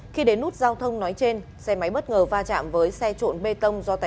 khi đến nút giao thông nói trên xe máy bất ngờ va chạm với xe trộn bê tông